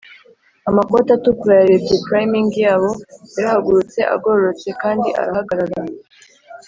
amakoti atukura yarebye priming yabo! yarahagurutse, agororotse kandi arahagarara!